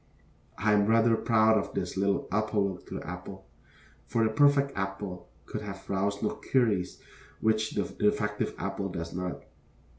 I am rather proud of this little apologue of the apple. For the perfect apple could have roused no queries which the defective apple does not.